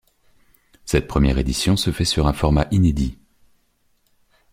Cette première édition se fait sur un format inédit.